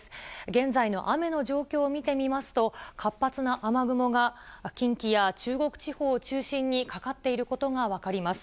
現在の雨の状況を見てみますと、活発な雨雲が近畿や中国地方を中心に、かかっていることが分かります。